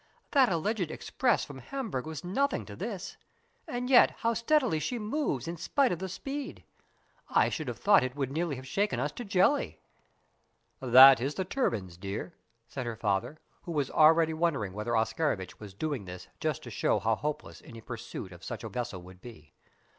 "That alleged express from Hamburg was nothing to this: and yet how steadily she moves in spite of the speed. I should have thought that it would have nearly shaken us to jelly." "That is the turbines, dear," said her father, who was already wondering whether Oscarovitch was doing this just to show how hopeless any pursuit of such a vessel would be.